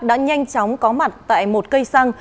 đã nhanh chóng có mặt tại một cây xăng